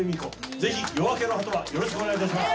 ぜひ『夜明けの波止場』よろしくお願い致します。